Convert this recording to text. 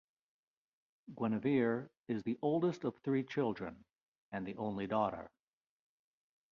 Genevieve is the oldest of three children, and the only daughter.